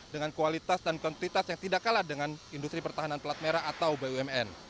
dengan kualitas dan kuantitas yang tidak kalah dengan industri pertahanan pelat merah atau bumn